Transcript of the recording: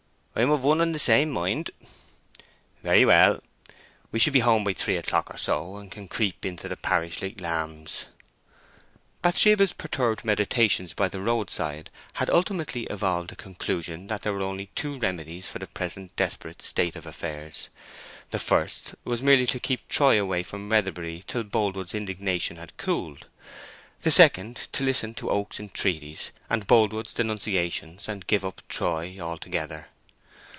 "I am of one and the same mind." "Very well. We shall be home by three o'clock or so, and can creep into the parish like lambs." Bathsheba's perturbed meditations by the roadside had ultimately evolved a conclusion that there were only two remedies for the present desperate state of affairs. The first was merely to keep Troy away from Weatherbury till Boldwood's indignation had cooled; the second to listen to Oak's entreaties, and Boldwood's denunciations, and give up Troy altogether.